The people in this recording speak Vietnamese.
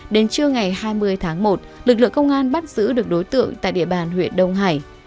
đến trưa ngày hai mươi tháng một lực lượng công an bắt giữ được đối tượng tại địa bàn huyện đông hải